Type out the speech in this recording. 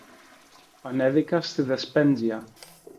Ανέβηκα στη δεσπέντζια.